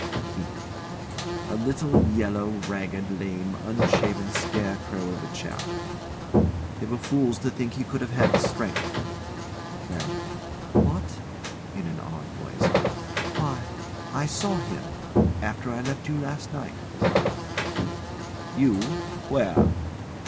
KEITH. A little yellow, ragged, lame, unshaven scarecrow of a chap. They were fools to think he could have had the strength. LARRY. What! [In an awed voice] Why, I saw him after I left you last night. KEITH. You? Where?